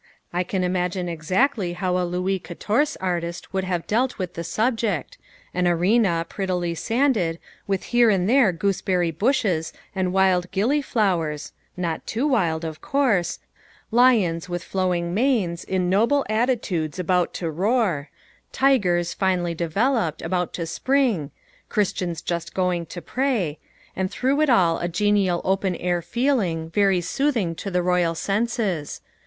I can imagine exactly how a Louis Quatorze artist would have dealt with the subject, an arena, prettily sanded, with here and there gooseberry bushes and wild gilly flowers (not too wild, of course), lions with flowing manes, in noble attitudes, about to roar, tigers, finely developed, about to spring, Christians just going to pray, and through it all a genial open air feeling very soothing to the royal senses.